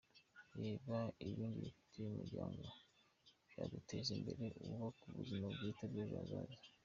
Reba ibindi bifite umumaro byaguteza imbere wubake ubuzima bwite bw’ejo hazaza.